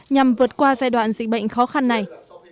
nhằm vượt qua giai đoạn dịch bệnh khó khăn này